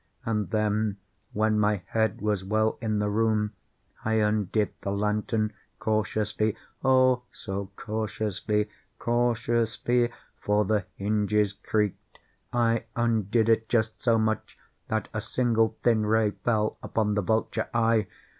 And then, when my head was well in the room, I undid the lantern cautiously—oh, so cautiously—cautiously (for the hinges creaked)—I undid it just so much that a single thin ray fell upon the vulture eye.